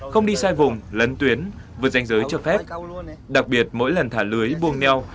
không đi sai vùng lấn tuyến vượt danh giới cho phép đặc biệt mỗi lần thả lưới buông neo